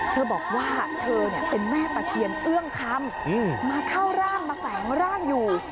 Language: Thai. เธอบอกว่าเธอเป็นแม่ตะเคียนเอื้องคำมาเข้าร่างมาแฝงร่างอยู่